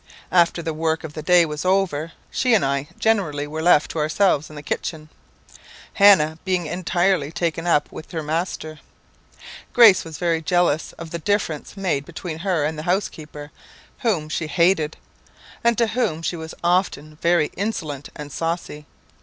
After the work of the day was over, she and I generally were left to ourselves in the kitchen, Hannah being entirely taken up with her master. Grace was very jealous of the difference made between her and the house keeper, whom she hated, and to whom she was often very insolent and saucy.